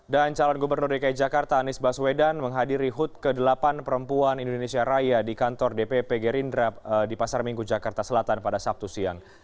dan calon gubernur dki jakarta anis baswedan menghadiri hut ke delapan perempuan indonesia raya di kantor dpp gerindra di pasar minggu jakarta selatan pada sabtu siang